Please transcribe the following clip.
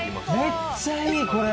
めっちゃいいこれ！